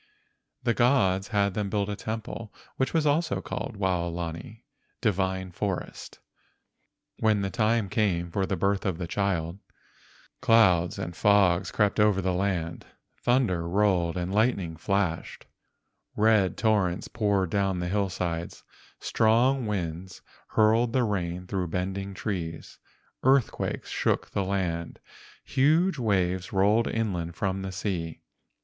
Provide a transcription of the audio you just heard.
The gods had them build a temple which was also called Waolani (divine forest). When the time came for the birth of the child, clouds and fogs crept over the land, thunder rolled and lightning flashed, red torrents poured down the hillsides, strong winds hurled the rain through bending trees, earthquakes shook the land, huge waves rolled inland from the sea.